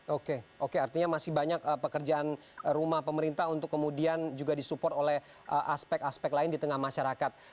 oke oke artinya masih banyak pekerjaan rumah pemerintah untuk kemudian juga disupport oleh aspek aspek lain di tengah masyarakat